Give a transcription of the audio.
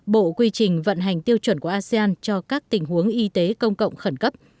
bộ quy trình vận hành tiêu chuẩn của asean cho các tình huống y tế công cộng khẩn cấp